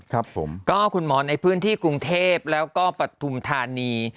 ครับผมก็คุณหมอในพื้นที่กรุงเทพแล้วก็ปฐุมธานี